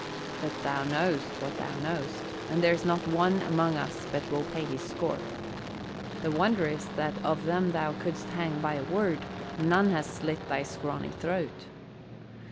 But thou know'st what thou know'st, and there's not one among us but will pay his score. The wonder is that of them thou could'st hang by a word none has slit thy scrawny throat."